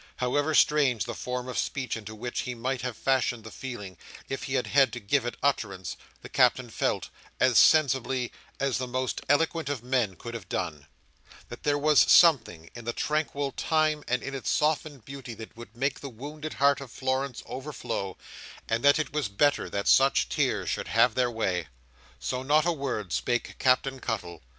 However strange the form of speech into which he might have fashioned the feeling, if he had had to give it utterance, the Captain felt, as sensibly as the most eloquent of men could have done, that there was something in the tranquil time and in its softened beauty that would make the wounded heart of Florence overflow; and that it was better that such tears should have their way. So not a word spake Captain Cuttle.